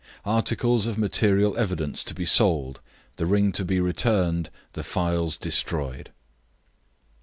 Articles of material evidence to be sold, the ring to be returned, the phials destroyed."